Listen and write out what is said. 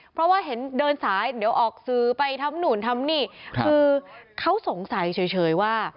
เพราะว่าเห็นเดินสายเดี๋ยวออกสื่อไปทำนู่นทำนี่คือเขาสงสัยเฉยว่า